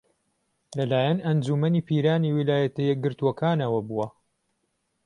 لەلایەن ئەنجوومەنی پیرانی ویلایەتە یەکگرتووەکانەوە بووە